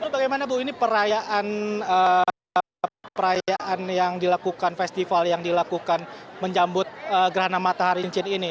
bagaimana bu ini perayaan perayaan yang dilakukan festival yang dilakukan menjambut gerhana matahari cincin ini